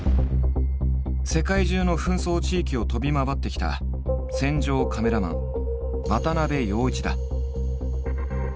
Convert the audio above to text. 世界中の紛争地域を飛び回ってきた戦場カメラマン渡部陽一だ。